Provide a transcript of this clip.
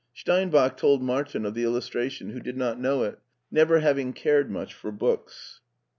Steinbach told Martin of the illustration, who did not know it, never having cared much for books.